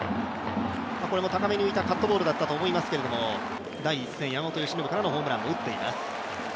高めに浮いたカットボールだと思いますけれども、第１戦、山本由伸からのホームランも打っています。